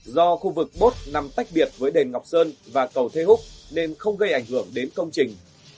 do khu vực bốt nằm tách biệt với đền ngọc sơn và cầu thê húc nên không gây ảnh hưởng đến công trình